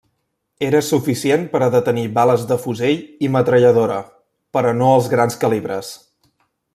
Era suficient per a detenir bales de fusell i metralladora, però no els grans calibres.